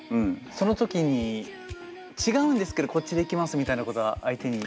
その時に「違うんですけどこっちでいきます」みたいなことは相手に。